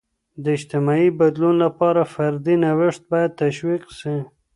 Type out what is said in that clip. د اجتماعي بدلون لپاره، فردي نوښت باید تشویق سي.